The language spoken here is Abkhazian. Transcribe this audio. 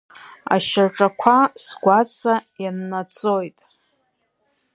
Ашьаҿақәа сгәаҵа ианнаҵоит.